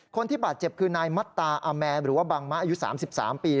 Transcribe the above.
คนที่บาดเจ็บคือนายมัตตาอาแมร์หรือว่าบังมะอายุ๓๓ปี